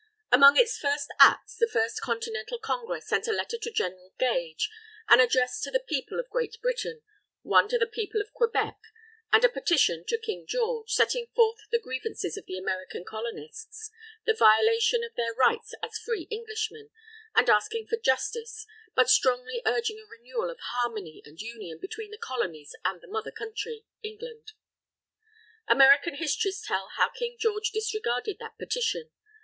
Among its first acts, the First Continental Congress sent a letter to General Gage; an address to the People of Great Britain; one to the People of Quebec; and a Petition to King George, setting forth the grievances of the American Colonists, the violations of their rights as free Englishmen, and asking for justice, but strongly urging a renewal of harmony and union between the Colonies and the Mother Country, England. American histories tell how King George disregarded that Petition.